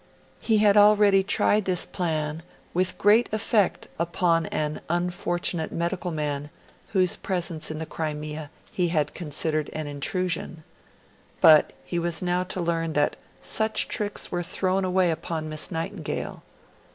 He had already tried this plan with great effect upon an unfortunate medical man whose presence in the Crimea he had considered an intrusion; but he was now to learn that such tricks were thrown away upon Miss Nightingale.